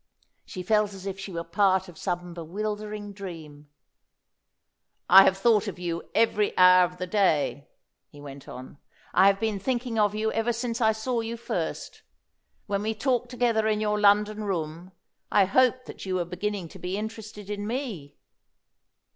She felt as if she were part of some bewildering dream. "I have thought of you every hour of the day," he went on. "I have been thinking of you ever since I saw you first. When we talked together in your London room, I hoped that you were beginning to be interested in me."